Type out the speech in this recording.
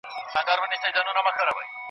زموږ په سیوري کي جامونه کړنګېدلای